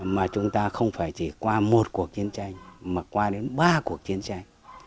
mà chúng ta không phải chỉ qua một cuộc chiến tranh mà qua đến ba cuộc chiến tranh